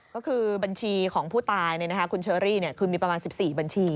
ก็คือบัญชีของผู้ตายคุณเชอรี่คือมีประมาณ๑๔บัญชี